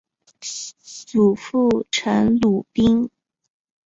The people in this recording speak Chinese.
祖父陈鲁宾。